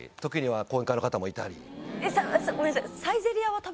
ごめんなさい。